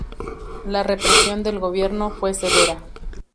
La represión del Gobierno fue severa.